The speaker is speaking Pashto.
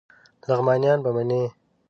لغمانیان به منی